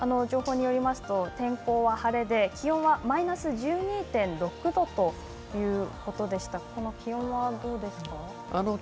情報によりますと天候は晴れで気温はマイナス１２．６度ということでしたがこの気温はどうですか。